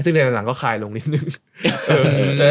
ซึ่งในหลังก็คลายลงนิดนึง